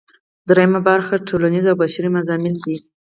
دریمه برخه ټولنیز او بشري مضامین دي.